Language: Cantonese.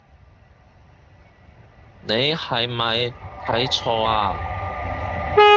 你係咪睇錯啊？